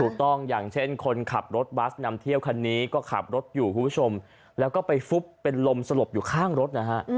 อย่างเช่นคนขับรถบัสนำเที่ยวคันนี้ก็ขับรถอยู่คุณผู้ชมแล้วก็ไปฟุบเป็นลมสลบอยู่ข้างรถนะฮะ